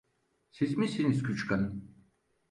Siz misiniz küçükhanım?